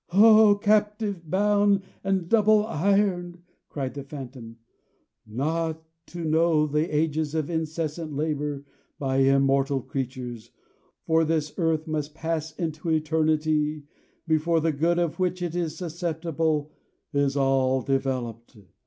"Oh! captive, bound, and double ironed," cried the Phantom, "not to know that ages of incessant labor, by immortal creatures, for this earth must pass into eternity before the good of which it is susceptible is all developed.